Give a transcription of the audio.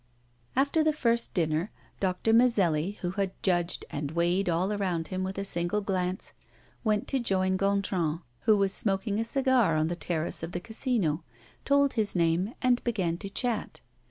After the first dinner, Doctor Mazelli, who had judged and weighed all around him with a single glance, went to join Gontran, who was smoking a cigar on the terrace of the Casino, told his name, and began to chat.